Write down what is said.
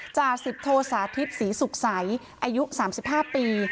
จ่าสิบโทสาธิตศรีสุขใสอายุ๓๕ปี